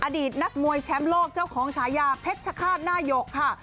อดีตนักมวยแชมป์โลกเจ้าของฉายาเพชรฆาตหน้าหยกค่ะ